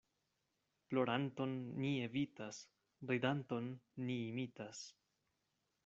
Ploranton ni evitas, ridanton ni imitas.